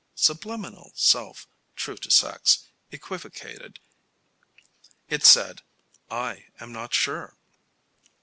Subliminal self, true to sex, equivocated. It said: "I am not sure."